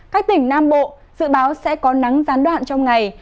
các tỉnh nam bộ dự báo sẽ có nắng gián đoạn trong ngày